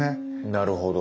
なるほど。